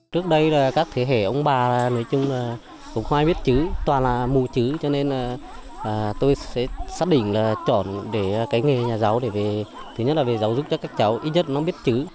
trước đây các thế hệ ông bà nói chung là cũng khoai biết chữ toàn là mù chữ cho nên tôi sẽ xác định là chọn cái nghề nhà giáo để về giáo dục cho các cháu ít nhất nó biết chữ